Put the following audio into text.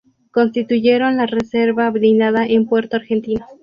Constituyeron la reserva blindada en Puerto Argentino.